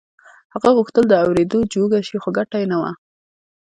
هغه غوښتل د اورېدو جوګه شي خو ګټه يې نه وه.